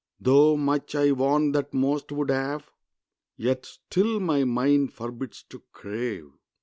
Though much I want that most would have, Yet still my mind forbids to crave."